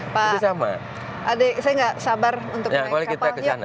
pak adik saya tidak sabar untuk naik kapalnya